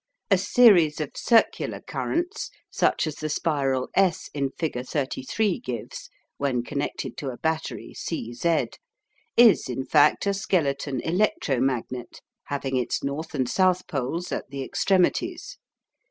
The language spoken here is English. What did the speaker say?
A series of circular currents, such as the spiral S in figure 33 gives, when connected to a battery C Z, is in fact a skeleton ELECTRO MAGNET having its north and south poles at the extremities.